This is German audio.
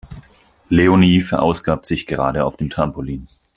Leonie verausgabt sich gerade auf dem Trampolin.